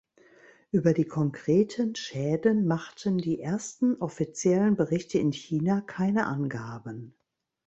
Über die konkreten Schäden machten die ersten offiziellen Berichte in China keine Angaben.